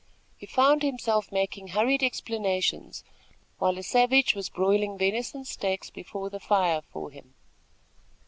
He found himself making hurried explanations, while a savage was broiling venison steaks before the fire for him.